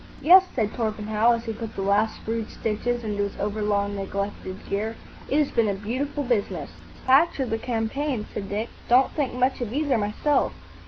"Yes," said Torpenhow, as he put the last rude stitches into his over long neglected gear, "it has been a beautiful business." "The patch or the campaign?" said Dick. "Don't think much of either, myself."